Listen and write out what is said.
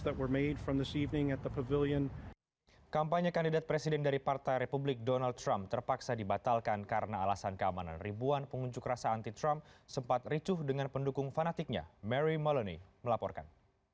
kampanye kandidat presiden dari partai republik donald trump terpaksa dibatalkan karena alasan keamanan ribuan pengunjuk rasa anti trump sempat ricuh dengan pendukung fanatiknya mary moloni melaporkan